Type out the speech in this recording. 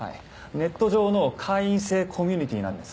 ネット上の会員制コミュニティーなんです。